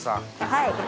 はい。